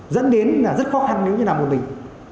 dẫn đến là rất khó khăn nếu như là một mình